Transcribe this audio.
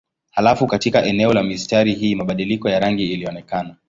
Halafu katika eneo la mistari hii mabadiliko ya rangi ilionekana.